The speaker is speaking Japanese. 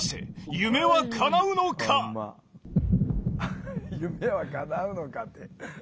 夢はかなうのかって。